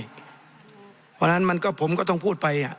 เพราะฉะนั้นผมก็ต้องพูดไป